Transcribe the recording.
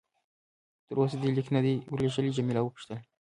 تر اوسه دې لیک نه دی ورلېږلی؟ جميله وپوښتل.